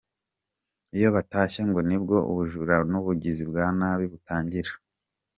Iyo batashye ngo nibwo ubujura n’ubugizi bwa nabi butangira.